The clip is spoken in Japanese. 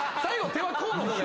手はこうの方が。